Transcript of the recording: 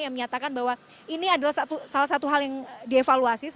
yang menyatakan bahwa ini adalah salah satu hal yang dievaluasi